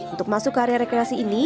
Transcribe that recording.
untuk masuk ke area rekreasi ini